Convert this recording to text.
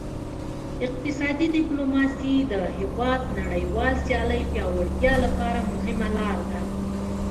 اقتصادي ډیپلوماسي د هیواد نړیوال سیالۍ پیاوړتیا لپاره مهمه لار ده